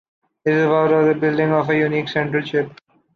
It is about the building of a unique central ship.